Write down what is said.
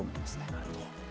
なるほど。